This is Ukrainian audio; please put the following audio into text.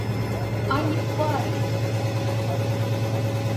Ані пари з уст.